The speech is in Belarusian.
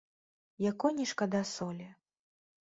Якой не шкада солі?